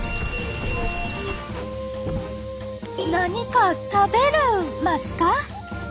何か食べるますか？